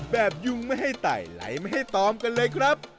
ยุงไม่ให้ไต่ไหลไม่ให้ตอมกันเลยครับ